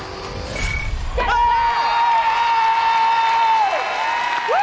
เฮ้ว่า